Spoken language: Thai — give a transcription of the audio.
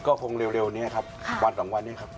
ก็คงเร็วนี้ครับวันสองวันนี้ครับ